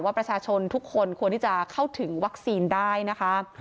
ประชาชนทุกคนควรที่จะเข้าถึงวัคซีนได้นะคะ